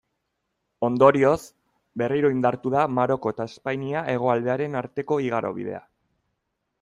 Ondorioz, berriro indartu da Maroko eta Espainia hegoaldearen arteko igarobidea.